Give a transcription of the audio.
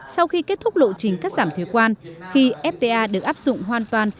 sau khi kết thúc lộ trình cắt giảm thuế quan khi fta được áp dụng hoàn toàn